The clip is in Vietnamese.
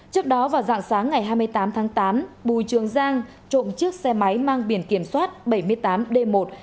trước đó vào dạng sáng ngày hai mươi tám tháng tám bùi trường giang trộm chiếc xe máy mang biển kiểm soát bảy mươi tám d một một mươi chín nghìn một trăm bảy mươi